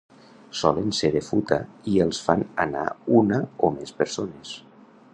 Solen ser de futa i els fan anar una o més persones.